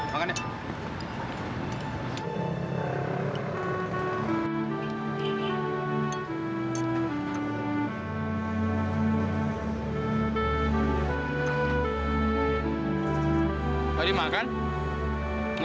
kok jalannya jadi bertiga